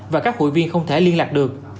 và các hội viên không thể liên lạc được